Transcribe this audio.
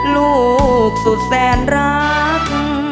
ลูกสุดแฟนรัก